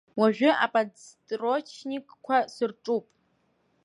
Уажәы аподстрочникқәа сырҿуп.